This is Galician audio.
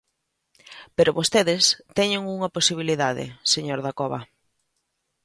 Pero vostedes teñen unha posibilidade, señor Dacova.